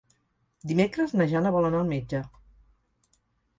Dimecres na Jana vol anar al metge.